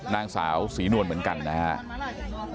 นางสาวศรีนวลเหมือนกันนะครับ